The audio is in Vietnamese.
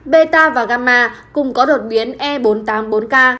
beta và gama cùng có đột biến e bốn trăm tám mươi bốn k